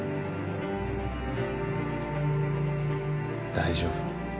大丈夫。